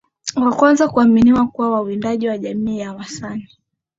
wa kwanza huaminiwa kuwa wawindaji wa jamii ya Wasani